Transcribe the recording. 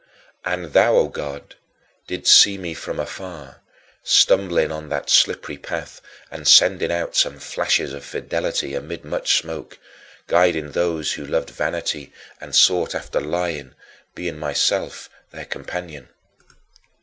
And thou, O God, didst see me from afar, stumbling on that slippery path and sending out some flashes of fidelity amid much smoke guiding those who loved vanity and sought after lying, being myself their companion.